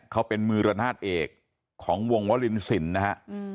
เขาเป็นมือระนาดเอกของวงวลินสินนะฮะ